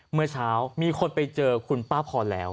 เมื่อเช้ามีคนไปเจอคุณป้าพรแล้ว